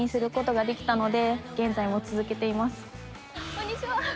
こんにちは。